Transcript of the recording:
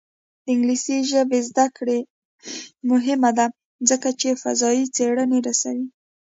د انګلیسي ژبې زده کړه مهمه ده ځکه چې فضايي څېړنې رسوي.